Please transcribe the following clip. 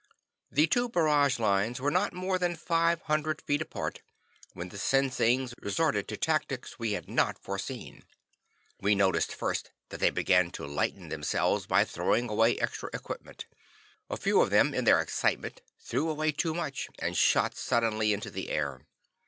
The two barrage lines were not more than five hundred feet apart when the Sinsings resorted to tactics we had not foreseen. We noticed first that they began to lighten themselves by throwing away extra equipment. A few of them in their excitement threw away too much, and shot suddenly into the air.